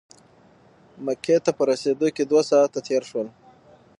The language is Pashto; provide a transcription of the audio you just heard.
مکې ته په رسېدو کې دوه ساعته تېر شول.